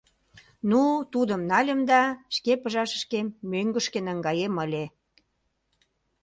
Ну, тудым нальым да шке пыжашышкем мӧҥгышкӧ наҥгаем ыле.